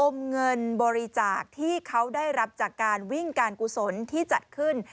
เงินบริจาคที่เขาได้รับจากการวิ่งการกุศลที่จัดขึ้น